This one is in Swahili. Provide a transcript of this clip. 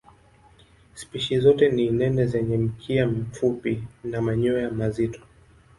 Spishi zote ni nene zenye mkia mfupi na manyoya mazito.